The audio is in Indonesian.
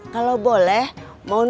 kalau boleh mau nyuruh aja